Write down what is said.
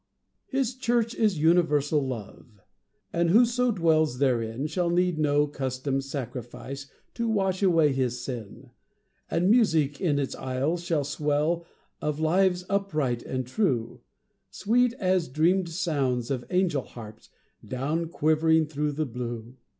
V. His church is universal Love, And whoso dwells therein Shall need no customed sacrifice To wash away his sin; And music in its aisles shall swell, Of lives upright and true, Sweet as dreamed sounds of angel harps Down quivering through the blue.